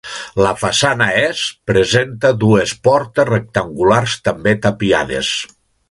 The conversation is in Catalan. La façana est presenta dues portes rectangulars també tapiades.